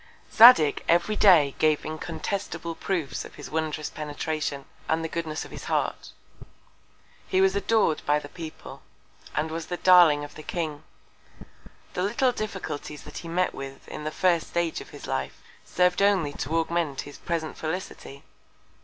Zadig every Day gave incontestable Proofs of his wondrous Penetration, and the Goodness of his Heart; he was ador'd by the People, and was the Darling of the King. The little Difficulties that he met with in the first Stage of his Life, serv'd only to augment his present Felicity.